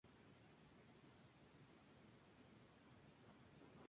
Era el hermano mayor del historiador Miguel Ángel García Guinea.